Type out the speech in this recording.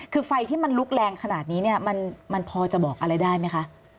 คือไฟที่มันลุกแรงขนาดนี้เนี่ยมันพอจะบอกอะไรได้ไหมคะ